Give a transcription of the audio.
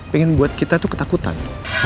pengen buat kita tuh ketakutan